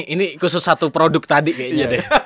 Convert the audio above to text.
ini khusus satu produk tadi kayaknya deh